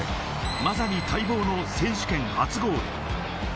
まさに待望の選手権、初ゴール。